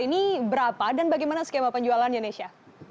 ini berapa dan bagaimana skema penjualannya nesya